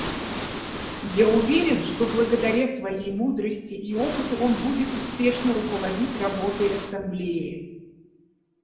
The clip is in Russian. Я уверен, что благодаря своей мудрости и опыту он будет успешно руководить работой Ассамблеи.